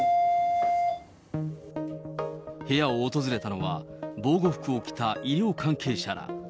部屋を訪れたのは、防護服を着た医療関係者ら。